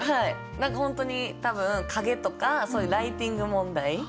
何か本当に多分影とかそういうライティング問題？